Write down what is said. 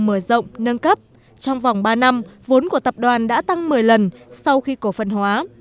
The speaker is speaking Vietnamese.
mở rộng nâng cấp trong vòng ba năm vốn của tập đoàn đã tăng một mươi lần sau khi cổ phần hóa